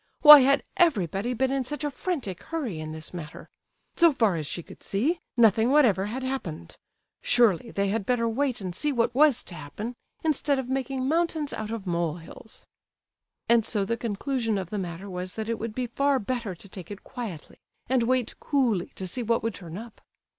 Why had everybody been in such a frantic hurry in this matter? So far as she could see, nothing whatever had happened. Surely they had better wait and see what was to happen, instead of making mountains out of molehills. And so the conclusion of the matter was that it would be far better to take it quietly, and wait coolly to see what would turn up.